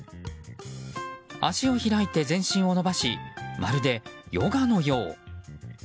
足を開いて全身を伸ばしまるでヨガのよう。